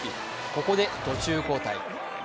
ここで途中交代。